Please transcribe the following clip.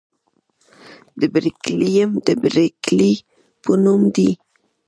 د برکیلیم د برکلي په نوم دی.